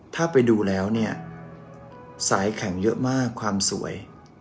ถ้าไปดูแล้วเนี่ยสายแข็งเยอะมากความสวย